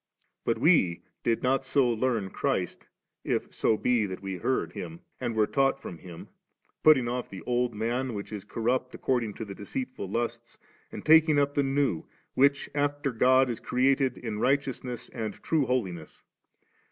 But * we did not so learn Christ, if so be that we heard' Eiim, and were taught from Him, 'putting off the old man, whidi is corrupt according to the decdtfiil lusts,' and taking up ' the new, which after God is created in righteousness and true holiness ®.